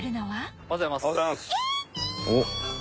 おはようございます。